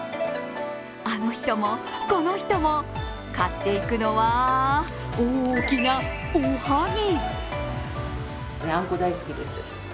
あの人も、この人も買っていくのは大きなおはぎ。